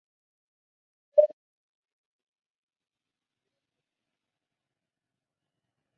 Bryan continuó perfeccionando su estilo estudiando en la "Percussion Institute of Technology" en Hollywood.